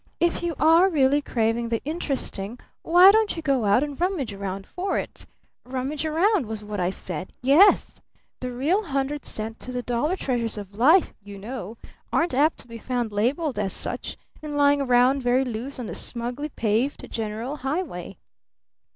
"If you are really craving the interesting why don't you go out and rummage around for it? Rummage around was what I said! Yes! The real hundred cent to the dollar treasures of Life, you know, aren't apt to be found labeled as such and lying round very loose on the smugly paved general highway!